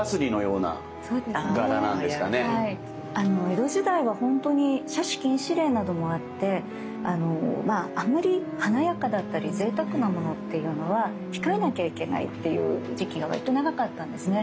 江戸時代はほんとに奢侈禁止令などもあってあんまり華やかだったりぜいたくなものっていうのは控えなきゃいけないっていう時期がわりと長かったんですね。